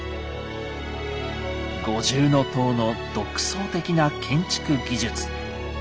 五重塔の独創的な建築技術。